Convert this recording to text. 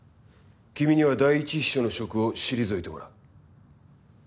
君には第一秘書の職を退いてもらう。